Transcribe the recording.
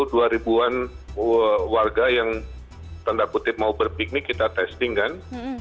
sebuah warga yang tanda kutip mau berpiknik kita testing kan